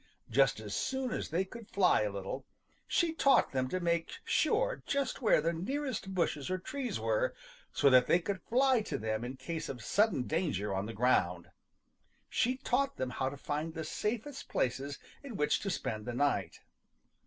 Just as soon as they could fly a little, she taught them to make sure just where the nearest bushes or trees were so that they could fly to them in case of sudden danger on the ground. She taught them how to find the safest places in which to spend the night.